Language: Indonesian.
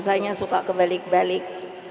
biasanya suka kebalik balik